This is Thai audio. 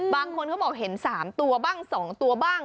บางคนเขาบอกเห็น๓ตัวบ้าง๒ตัวบ้าง